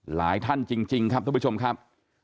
หลายท่านจริงครับทุกผู้ชมครับ